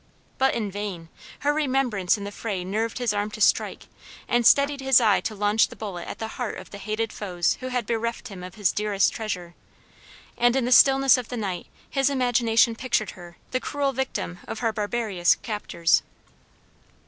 But in vain. Her remembrance in the fray nerved his arm to strike, and steadied his eye to launch the bullet at the heart of the hated foes who had bereft him of his dearest treasure; and in the stillness of the night his imagination pictured her, the cruel victim of her barbarous captors.